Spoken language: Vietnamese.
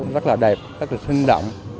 rất là đẹp rất là sinh động